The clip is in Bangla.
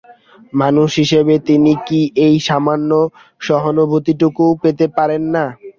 মানুষ হিসেবে তিনি কি এই সামান্য সহানুভূতিটুকুও পেতে পারেন না?